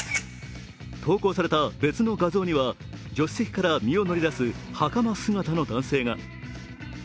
投稿された別の画像には助手席から身を乗り出すはかま姿の男性が。